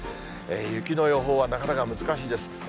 雪の予報は、なかなか難しいです。